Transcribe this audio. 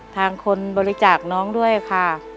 ทางคนบริจาคน้องด้วยค่ะ